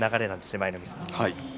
舞の海さん。